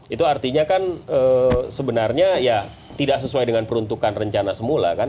itu artinya kan sebenarnya ya tidak sesuai dengan peruntukan rencana semula kan